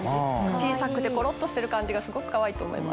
小さくてコロっとしてる感じがすごくかわいいと思います。